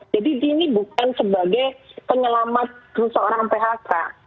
jadi ini bukan sebagai penyelamat seseorang phk